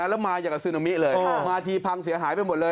แล้วมาอย่างกับซึนามิเลยมาทีพังเสียหายไปหมดเลย